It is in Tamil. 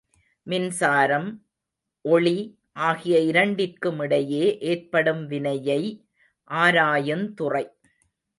மின்சாரம், ஒளி ஆகிய இரண்டிற்குமிடையே ஏற்படும் வினையை ஆராயுந் துறை.